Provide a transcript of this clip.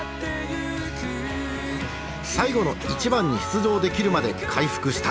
最後の一番に出場できるまで回復した。